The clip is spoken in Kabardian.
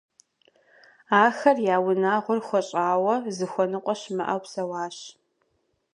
Ахэр я унагъуэр хуэщӀауэ, зыхуэныкъуэ щымыӀэу псэуащ.